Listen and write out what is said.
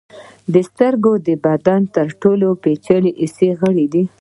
سترګې د بدن تر ټولو پیچلي حسي غړي دي.